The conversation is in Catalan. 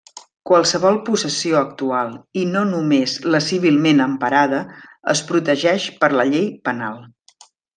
Qualsevol possessió actual i no només la civilment emparada, es protegeix per la llei penal.